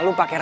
sam sam sam